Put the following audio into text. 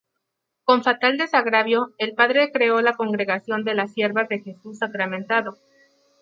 Con fatal desagravio, el padre creo la congregación de las Siervas de Jesús Sacramentado.